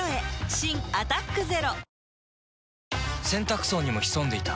新「アタックＺＥＲＯ」洗濯槽にも潜んでいた。